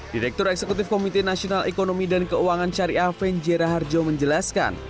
direktur eksekutif komite nasional ekonomi dan keuangan caria fenjera harjo menjelaskan